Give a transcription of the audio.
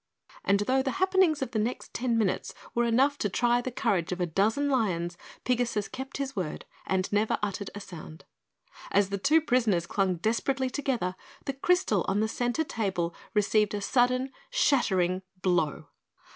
And though the happenings of the next ten minutes were enough to try the courage of a dozen lions, Pigasus kept his word and never uttered a sound. As the two prisoners clung desperately together the crystal on the center table received a sudden shattering blow.